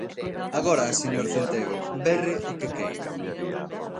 Agora, señor Centeo, berre o que queira.